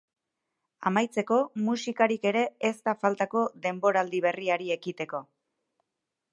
Amaitzeko, musikarik ere ez da faltako denboraldi berriari ekiteko.